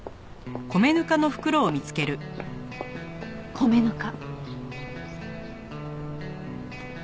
米ぬか。